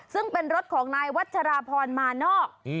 ซึ่งเป็นรถของนายวัชราพรมานอก